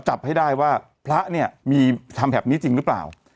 จับให้ได้ว่าพระเนี่ยมีทำแบบนี้จริงหรือเปล่า